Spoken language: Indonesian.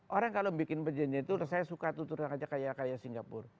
orang kalau bikin perjanjian itu saya suka tuturkan aja kayak singapura